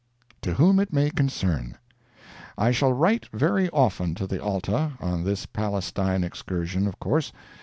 TO WHOM IT MAY CONCERN I shall write very often to the ALTA on this Palestine excursion, of course.